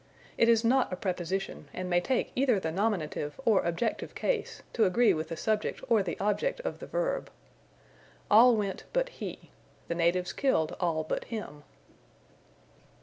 It is not a preposition and may take either the nominative or objective case, to agree with the subject or the object of the verb. All went but he. The natives killed all but him.